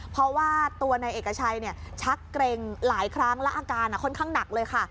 เพราะว่าตัวนายเอกชัยชักเกร็งหลายครั้งแล้วอาการค่อนข้างหนักเลยค่ะ